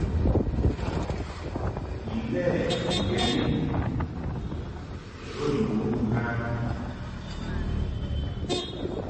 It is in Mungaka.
Ilɛ ŋgeni nu bə nu ghan.